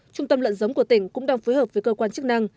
trung tâm lợn giống của tỉnh cũng đang phối hợp với cơ quan chức năng